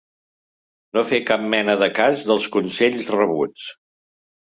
No fer cap mena de cas dels consells rebuts.